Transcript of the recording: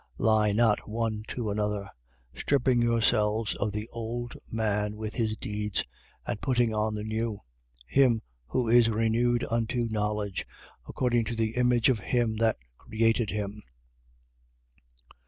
3:9. Lie not one to another: stripping yourselves of the old man with his deeds, 3:10. And putting on the new, him who is renewed unto knowledge, according to the image of him that created him.